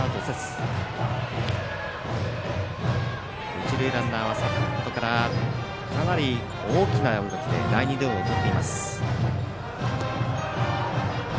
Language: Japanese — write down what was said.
一塁ランナーは先ほどからかなり大きな動きで大リードを取っています。